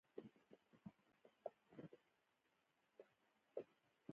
علي تجربه لري.